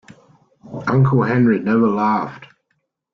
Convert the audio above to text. Uncle Henry never laughed.